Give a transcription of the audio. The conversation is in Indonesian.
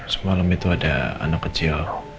semalam itu ada anak kecil